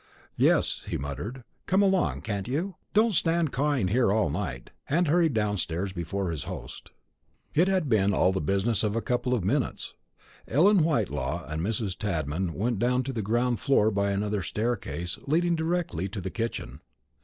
"Yes," he muttered; "come along, can't you? don't stand cawing here all night;" and hurried downstairs before his host. It had been all the business of a couple of minutes. Ellen Whitelaw and Mrs. Tadman went down to the ground floor by another staircase leading directly to the kitchen.